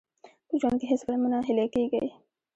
په ژوند کې هېڅکله مه ناهیلي کېږئ.